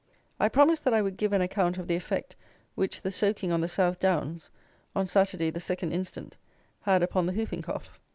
I promised that I would give an account of the effect which the soaking on the South Downs, on Saturday the 2nd instant, had upon the hooping cough.